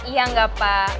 iya gak pak